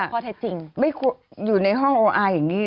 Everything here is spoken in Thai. พอถ้าจริงไม่ควรอยู่ในห้องโออาร์อย่างนี้